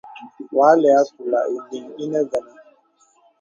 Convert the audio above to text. Wà lɛ àkùla ìyìŋ ìnə vənə.